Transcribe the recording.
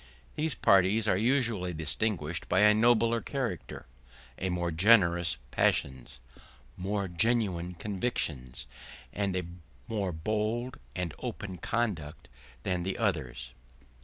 These parties are usually distinguished by a nobler character, by more generous passions, more genuine convictions, and a more bold and open conduct than the others.